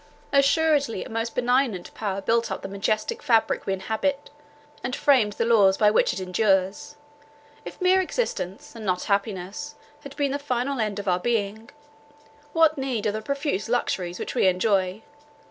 "Assuredly a most benignant power built up the majestic fabric we inhabit, and framed the laws by which it endures. If mere existence, and not happiness, had been the final end of our being, what need of the profuse luxuries which we enjoy?